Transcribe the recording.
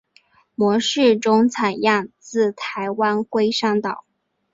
模式种采样自台湾龟山岛。